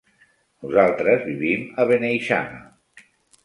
Nosaltres vivim a Beneixama.